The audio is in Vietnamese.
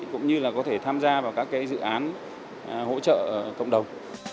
cũng như là có thể tham gia vào các dự án hỗ trợ cộng đồng